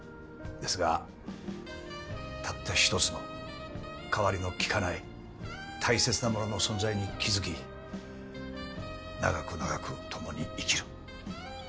ですがたった一つのかわりのきかない大切なものの存在に気付き長く長く共に生きる。